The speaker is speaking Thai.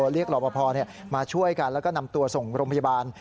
รอปภมาช่วยกันแล้วก็นำตัวส่งโรงพยาบาล